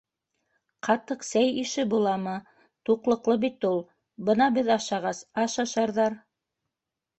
Ҡатыҡ сәй ише буламы, туҡлыҡлы бит ул. Бына беҙ ашағас, аш ашарҙар.